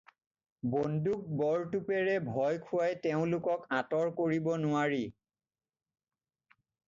বন্দুক বৰতোপেৰে ভয়খুৱাই তেওঁলোকক আঁতৰ কৰিব নোৱাৰি